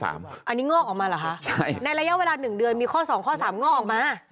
อันนี้งอกออกมาเหรอคะในระยะเวลา๑เดือนมีข้อ๒ข้อ๓ง่อออกมา